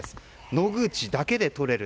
野口だけでとれる。